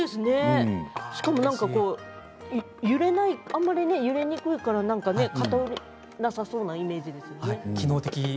しかも揺れにくいから偏らなさそうなイメージですよね。